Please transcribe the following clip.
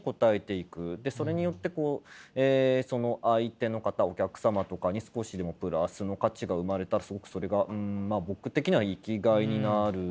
でそれによってこう相手の方お客様とかに少しでもプラスの価値が生まれたらすごくそれがうんまあ僕的には生きがいになるので。